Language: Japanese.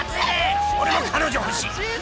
俺も彼女欲しい